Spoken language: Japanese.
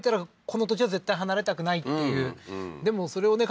この土地は絶対離れたくないっていうでもそれをね